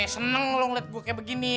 seneng lo liat gua kayak begini